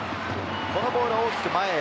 このボールは大きく前へ。